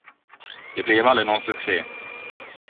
Det blev aldrig någon succé.